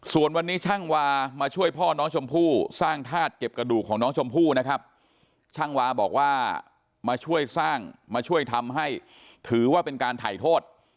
ส่วนวันนี้ช่างวามาช่วยพ่อน้องชมพู่สร้างธาตุเก็บกระดูกของน้องชมพู่นะครับช่างวาบอกว่ามาช่วยสร้างมาช่วยทำให้ถือว่าเป็นการถ่ายโทษ